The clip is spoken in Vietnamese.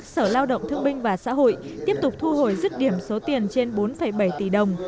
sở lao động thương binh và xã hội tiếp tục thu hồi dứt điểm số tiền trên bốn bảy tỷ đồng